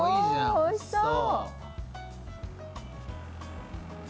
おいしそう。